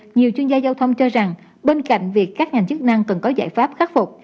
nhiều chuyên gia giao thông cho rằng bên cạnh việc các ngành chức năng cần có giải pháp khắc phục